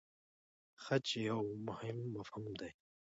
خج یو مهم مفهوم دی.